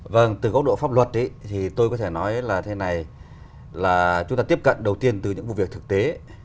vâng từ góc độ pháp luật thì tôi có thể nói là thế này là chúng ta tiếp cận đầu tiên từ những vụ việc thực tế